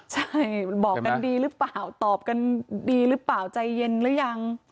ใช่บอกกันดีหรือเปล่าตอบกันดีหรือเปล่าใจเย็นหรือยัง